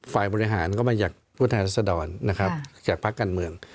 ฝ่ายบริหารก็มาจากผู้แทนรัศดรนะครับจากภาคการเมือง